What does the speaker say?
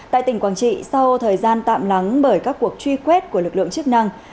tại tỉnh quảng trị sau thời gian tạm lắng bởi các cuộc truy quét của lực lượng chức năng